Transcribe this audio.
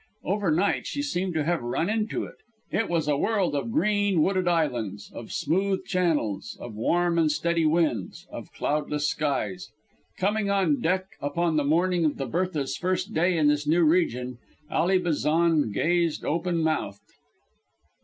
Overnight she seemed to have run into it: it was a world of green, wooded islands, of smooth channels, of warm and steady winds, of cloudless skies. Coming on deck upon the morning of the Bertha's first day in this new region, Ally Bazan gazed open mouthed.